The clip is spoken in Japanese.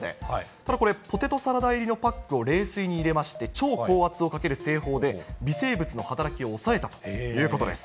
ただ、ポテトサラダ入りのパックを冷水に入れまして、超高圧をかける製法で、微生物の働きを抑えたということです。